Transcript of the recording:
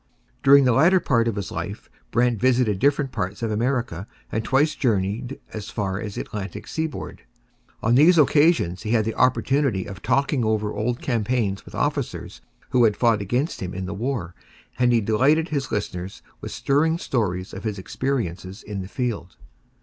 During the latter part of his life Brant visited different parts of America and twice journeyed as far as the Atlantic seaboard. On these occasions he had the opportunity of talking over old campaigns with officers who had fought against him in the war, and he delighted his listeners with stirring stories of his experiences in the field.